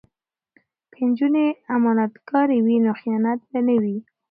که نجونې امانتکارې وي نو خیانت به نه وي.